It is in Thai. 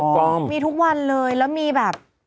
ก็มีทุกวันเลยแล้วมีแบบ